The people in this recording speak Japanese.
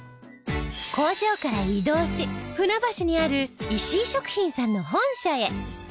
工場から移動し船橋にある石井食品さんの本社へ。